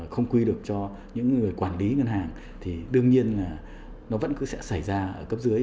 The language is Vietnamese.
không quy được cho những người quản lý ngân hàng thì đương nhiên là nó vẫn cứ sẽ xảy ra ở cấp dưới